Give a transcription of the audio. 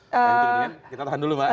yang jadinya kita tahan dulu mbak